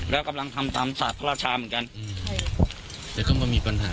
แล้วกำลังทำตามศาสตร์พระราชาเหมือนกันแต่ก็มันก็มีปัญหา